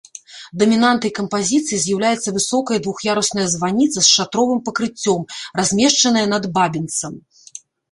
Дамінантай кампазіцыі з'яўляецца высокая двух'ярусная званіца з шатровым пакрыццём, размешчаная над бабінцам.